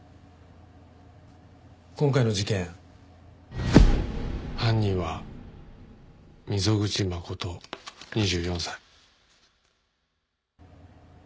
今回の事件犯人は溝口誠２４歳。